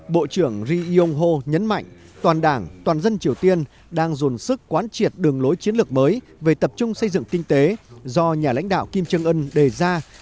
bộ trưởng ri yong ho nhấn mạnh toàn đảng toàn dân triều tiên đang dồn sức quán triệt đường lối chiến lược mới về tập trung xây dựng kinh tế do nhà lãnh đạo kim trương ân đề ra